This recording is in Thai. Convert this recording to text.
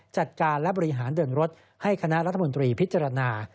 จัดการและบริหารเดินรถให้คณะรัฐมนตรีพิจารณา